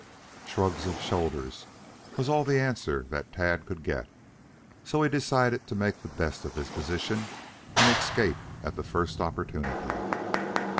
Shrugs of the shoulders was all the answer that Tad could get, so he decided to make the best of his position and escape at the first opportunity.